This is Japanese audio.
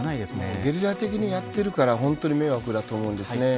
ゲリラ的にやってるから本当に迷惑だと思うんですね。